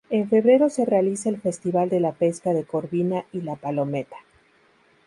En febrero se realiza el "Festival de la pesca de Corvina y La Palometa".